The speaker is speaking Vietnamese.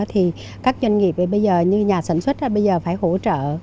thì các doanh nghiệp như nhà sản xuất bây giờ phải hỗ trợ